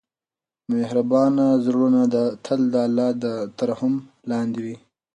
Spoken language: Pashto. مهربان زړونه تل د الله تر رحم لاندې وي.